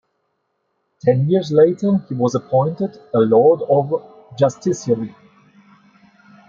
Ten years later he was appointed a Lord of Justiciary.